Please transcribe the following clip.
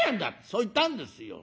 そう言ったんですよ。